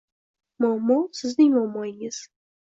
Muammo sizning muammoingiz